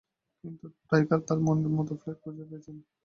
কিন্তু টাইগার তাঁর মনের মতো ফ্ল্যাট খুঁজে পেয়েছেন।